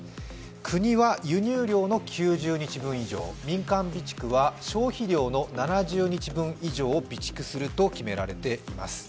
国は輸入量の９０日分以上、民間備蓄は消費量の７０日分以上を備蓄すると決められています。